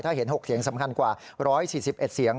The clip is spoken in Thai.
ถ้าเห็น๖เสียงสำคัญกว่า๑๔๑เสียง